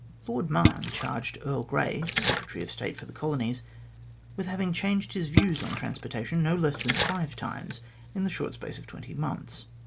Lord Mahon charged Earl Grey, Secretary of State for the Colonies, with having changed his views on transportation no less than five times in the short space of twenty months.